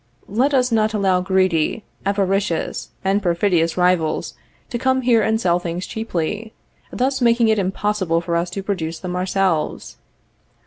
Let us not allow greedy, avaricious and perfidious rivals to come here and sell things cheaply, thus making it impossible for us to produce them ourselves.